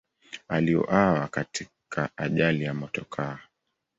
Aliuawa katika ajali ya motokaa.